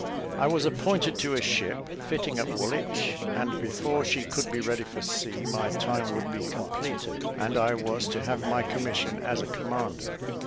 I was appointed to a ship fitting at Woolwich, and before she could be ready for sea, my time would be completed, and I was to have my commission as a commander.